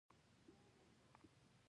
• د شپې اوږدې خبرې د زړونو فاصله کموي.